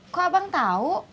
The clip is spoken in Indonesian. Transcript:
kok abang tau